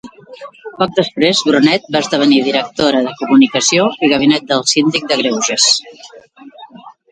Poc després Brunet va esdevenir directora de Comunicació i Gabinet del Síndic de Greuges.